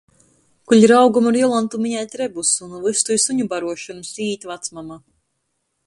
Kuoļ raugom ar Jolantu minēt rebusu, nu vystu i suņu baruošonys īīt vacmama.